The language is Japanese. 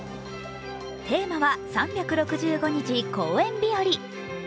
テーマは「３６５日公園びより」。